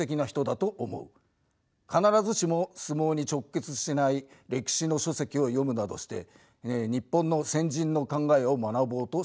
必ずしも相撲に直結しない歴史の書籍を読むなどして日本の先人の考えを学ぼうとした。